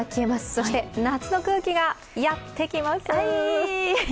そして夏の空気がやってきます。